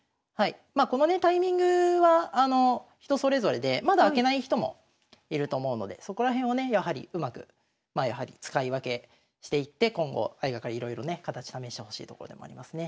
このねタイミングは人それぞれでまだ開けない人もいると思うのでそこら辺をねやはりうまくまあやはり使い分けしていって今後相掛かりいろいろね形試してほしいところでもありますね。